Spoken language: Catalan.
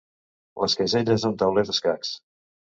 Les caselles d'un tauler d'escacs.